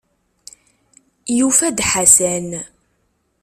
Yufa-d Ḥasan.